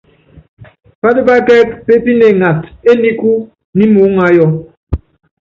Pátipá kɛ́k pépíne ngata enikú nyi muúŋayɔ.